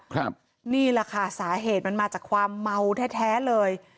ครับนี่แหละค่ะสาเหตุมันมาจากความเมาแท้แท้เลย